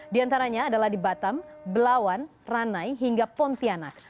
di antaranya adalah di batam belawan ranai hingga pontianak